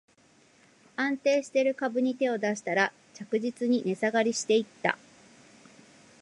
安定してる株に手を出したら、着実に値下がりしていった